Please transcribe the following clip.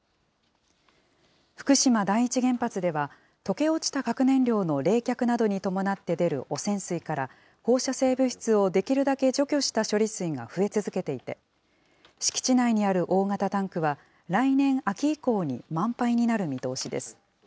福島第一原発では、溶け落ちた核燃料の冷却などに伴って出る汚染水から、放射性物質をできるだけ除去した処理水が増え続けていて、敷地内にある大型タンクは、来年秋以降に満杯になる見通しです。